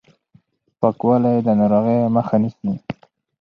پاکوالی د ناروغۍ مخه نيسي.